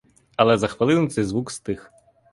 Але за хвилину цей звук стих.